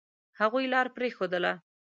هغوی لار پرېښودله.